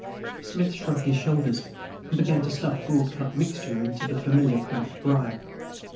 Smith shrugged his shoulders and began to stuff broad cut mixture into the familiar cracked briar.